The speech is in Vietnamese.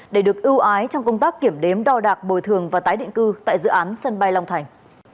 để được ưu ái trong công tác kiểm đếm đo đạc bồi thường và tái định cư tại dự án sân bay long thành